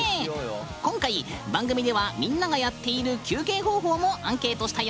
今回、番組ではみんながやっている休憩方法もアンケートしたよ。